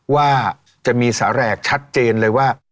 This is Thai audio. ว่าจะมีแสแหลกชัดเจนเลยว่า